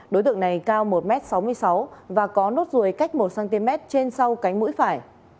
đối tượng này cao một m sáu mươi sáu và có nốt ruồi cách một cm trên sau cánh mũi phải